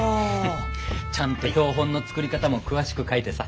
ちゃんと標本の作り方も詳しく書いてさ。